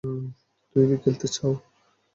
তুমি কি খেলতে চাও?